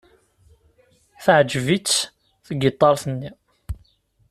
Teɛjeb-itt tgiṭart-nni.